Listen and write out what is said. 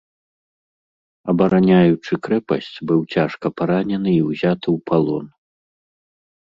Абараняючы крэпасць, быў цяжка паранены і ўзяты ў палон.